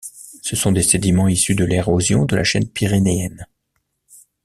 Ce sont des sédiments issus de l'érosion de la chaîne pyrénéenne.